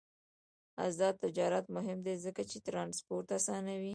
آزاد تجارت مهم دی ځکه چې ترانسپورت اسانوي.